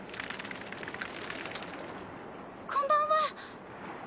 こんばんは。